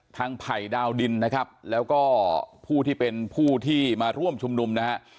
ไผ่ดาวดินนะครับแล้วก็ผู้ที่เป็นผู้ที่มาร่วมชุมนุมนะฮะ